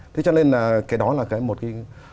thế cho nên là cái đó là cái một cái